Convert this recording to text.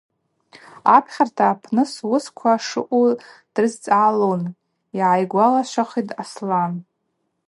Апхьарта апны суысква шаъу дрызцӏгӏалун, – йгӏайгвалашвахитӏ Аслан.